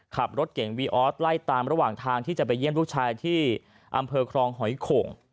ขับรถเก่งวีออสไล่ตามระหว่างทางที่จะไปเยี่ยมลูกชายที่อำเภอครองหอยโข่ง